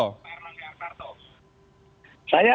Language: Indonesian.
pak erlangga artarto